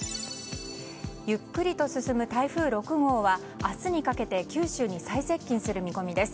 ゆっくりと進む台風６号は明日にかけて九州に最接近する見込みです。